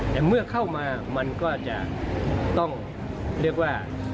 แต่เมื่อเข้ามามันก็จะต้องเรียกว่า